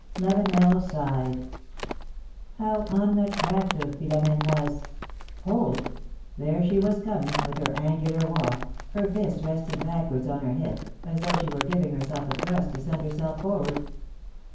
Lavenel sighed. How unattractive Philom^ne Avas! Hold! there she was coming, with her angular walk, her fist resting back wai'ds on her hip, as though she were giving herself a thrust to send herself forward!